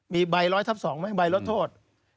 มีใบ๑๐๐ทับ๒มั้ยใบรถโทษ